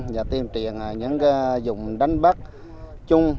và tiêm triển những cái dùng đánh bắt chung